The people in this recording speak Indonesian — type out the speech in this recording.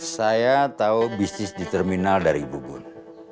saya tahu bisnis di terminal dari ibu bun